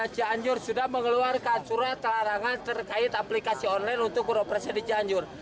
cianjur sudah mengeluarkan surat larangan terkait aplikasi online untuk beroperasi di cianjur